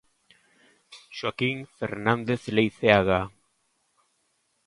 Xoaquín Fernández Leiceaga.